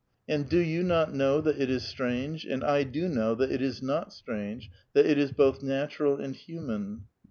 And do yoM not know that it is strange, and I do know that it is not strange, that it is both natural and human.